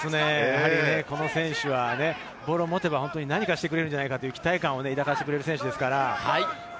この選手はボールを持てば何かしてくれるのではないかという期待を抱かせてくれる選手です。